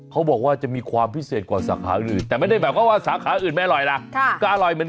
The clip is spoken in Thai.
ก็อร่อยเหมือนกัน